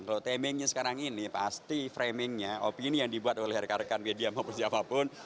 kalau timingnya sekarang ini pasti framingnya opini yang dibuat oleh rekan rekan media maupun siapapun